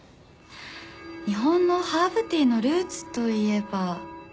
日本のハーブティーのルーツといえば。